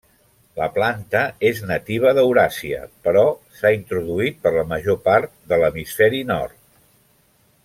La planta és nativa d'Euràsia, però s'ha introduït per la major part de l'hemisferi Nord.